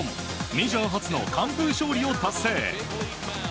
メジャー初の完封勝利を達成。